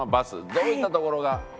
どういったところが？